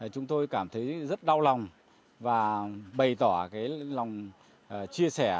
chúng tôi cảm thấy rất đau lòng và bày tỏ lòng chia sẻ